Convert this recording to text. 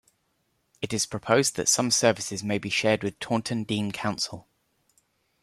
It is proposed that some services may be shared with Taunton Deane council.